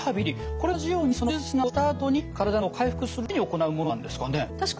これと同じように手術などをしたあとに体の機能を回復するために行うものなんですかね？